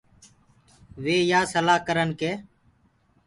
وي يآ سلآ ڪرن ڪي